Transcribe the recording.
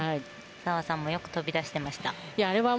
澤さんもよく飛び出してました。